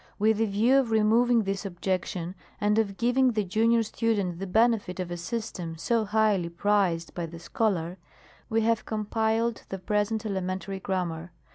With the view of removing this objection, and of giving the junior student the benefit of a system so highly prized by the scholar, we have compiled the present Elementary Grammar.